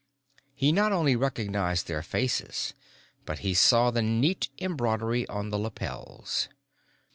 He not only recognized their faces, but he saw the neat embroidery on the lapels.